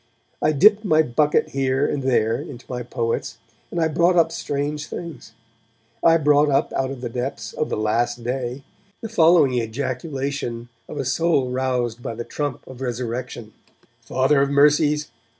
I dipped my bucket here and there into my poets, and I brought up strange things. I brought up out of the depths of 'The Last Day' the following ejaculation of a soul roused by the trump of resurrection: Father of mercies!